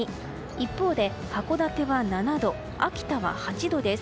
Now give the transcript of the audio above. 一方で函館は７度、秋田は８度です。